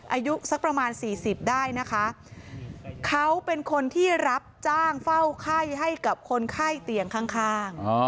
อายุสักประมาณสี่สิบได้นะคะเขาเป็นคนที่รับจ้างเฝ้าไข้ให้กับคนไข้เตียงข้าง